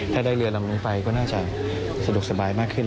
ถ้าได้เรือลำนี้ไปก็น่าจะสะดวกสบายมากขึ้น